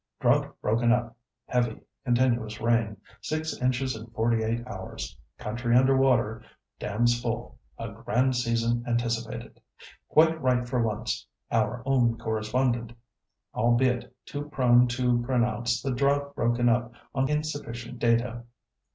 "Drought broken up. Heavy, continuous rain. Six inches in forty eight hours. Country under water. Dams full. A grand season anticipated. "Quite right for once, 'Our Own Correspondent,' albeit too prone to pronounce the 'drought broken up' on insufficient data.